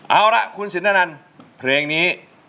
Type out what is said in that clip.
เอาล่ะคุณสิชี้นานันพแรงนี้